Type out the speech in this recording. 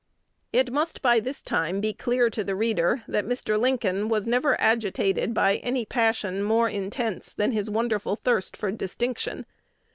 It must by this time be clear to the reader that Mr. Lincoln was never agitated by any passion more intense than his wonderful thirst for distinction.